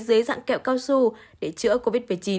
dưới dạng kẹo cao su để chữa covid một mươi chín